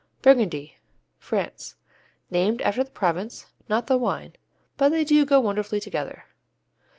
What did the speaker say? Burgundy France Named after the province, not the wine, but they go wonderfully together.